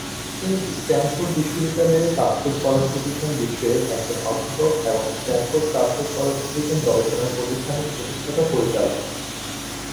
তিনি স্ট্যানফোর্ড বিশ্ববিদ্যালয়ের তাত্ত্বিক পদার্থবিজ্ঞান বিষয়ের একজন অধ্যাপক এবং স্ট্যানফোর্ড তাত্ত্বিক পদার্থবিজ্ঞান গবেষণা প্রতিষ্ঠানের প্রতিষ্ঠাতা পরিচালক।